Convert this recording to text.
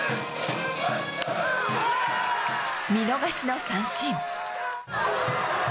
見逃しの三振。